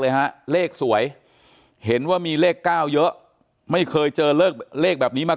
ฮะเลขสวยเห็นว่ามีเลข๙เยอะไม่เคยเจอเลขแบบนี้มา